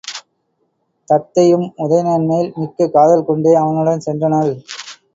தத்தையும் உதயணன்மேல் மிக்க காதல்கொண்டே அவனுடன் சென்றனள்.